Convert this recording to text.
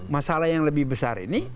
masalah yang lebih besar ini